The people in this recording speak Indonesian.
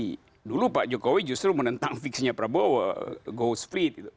tidak pak jokowi justru menentang fiksinya prabowo ghost freed